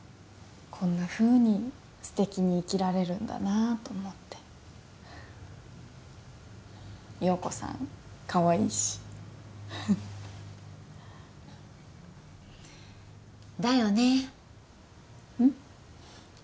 こんなふうに素敵に生きられるんだなあと思って葉子さんかわいいしだよねうん？